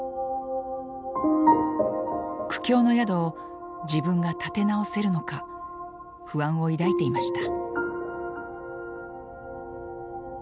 苦境の宿を自分が立て直せるのか不安を抱いていました。